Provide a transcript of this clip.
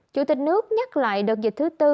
chủ tịch nước nhắc lại đợt dịch thứ bốn